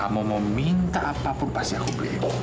minta apapun pasti aku beliin